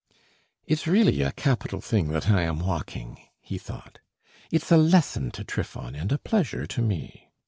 "It's really a capital thing that I am walking," he thought; "it's a lesson to Trifon and a pleasure to me.